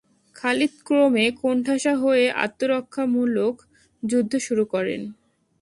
খালিদ ক্রমে কোণঠাসা হয়ে আত্মরক্ষামূলক যুদ্ধ শুরু করেন।